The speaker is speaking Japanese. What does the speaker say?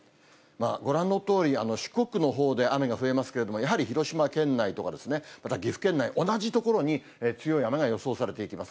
ご覧のとおり、四国のほうで雨が増えますけれども、やはり広島県内とか、また岐阜県内、同じ所に強い雨が予想されていきます。